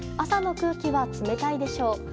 朝の空気は冷たいでしょう。